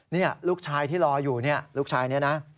นี่ลูกชายที่รออยู่เนี่ยลูกชายนี้นะ